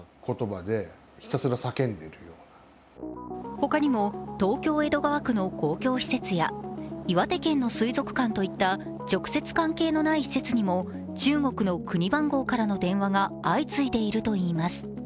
ほかにも東京・江戸川区の公共施設や岩手県の水族館といった直接関係のない施設にも、中国の国番号からの電話が相次いでいるといいます。